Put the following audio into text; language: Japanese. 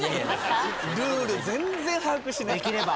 ルール全然把握しない。